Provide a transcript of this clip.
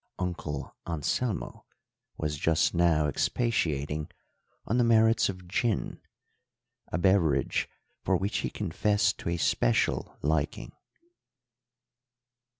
Uncle Anselmo was just now expatiating on the merits of gin, a beverage for which he confessed to a special liking.